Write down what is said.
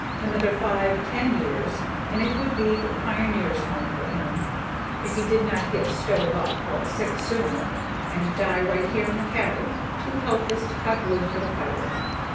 Another five, ten, years and it would be the Pioneers' Home for him if he did not get stove up or sick sooner and die right here in the cabin, too helpless to cut wood for the fire.